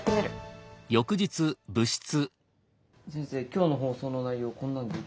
今日の放送の内容こんなんで。